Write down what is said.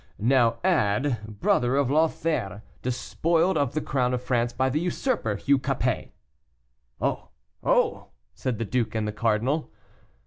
Now add, 'brother of Lothaire, despoiled of the crown of France by the usurper, Hugh Capet.'" "Oh! oh!" said the duke and the cardinal.